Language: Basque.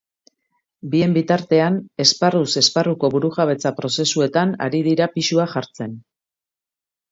Bien bitartean, esparruz esparruko burujabetza prozesuetan ari dira pisua jartzen.